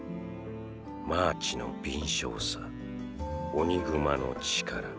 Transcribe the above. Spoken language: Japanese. マーチの敏捷さオニグマの力